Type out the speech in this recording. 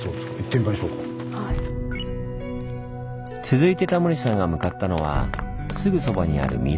続いてタモリさんが向かったのはすぐそばにある湖。